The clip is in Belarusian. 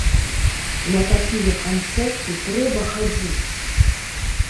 На такія канцэрты трэба хадзіць!